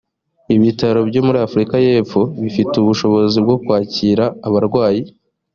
ibitaro byo muri afurika y’epfo bifite ubushobozi bwo kwakira abarwayi